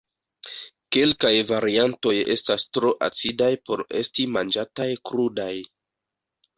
Kelkaj variantoj estas tro acidaj por esti manĝataj krudaj.